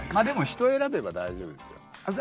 でも人選べば大丈夫ですよ。